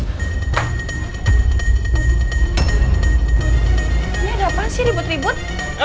apa mimpi ini akan jadi kenyataan kalau andin tahu kejadian sebenarnya